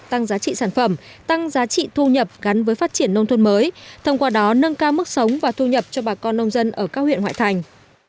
tăng giá trị sản phẩm tăng giá trị thu nhập gắn với phát triển nông thôn mới thông qua đó nâng cao mức sống và thu nhập cho bà con nông dân ở các huyện ngoại thành